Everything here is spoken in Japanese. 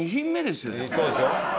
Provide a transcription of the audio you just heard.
そうですよ。